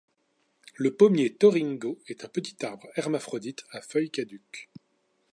Le pommier Toringo est un petit arbre hermaphrodite à feuilles caduques.